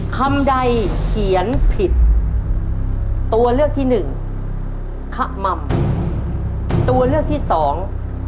คำใดเขียนผิดตัวเลือกที่หนึ่งขม่ำตัวเลือกที่สอง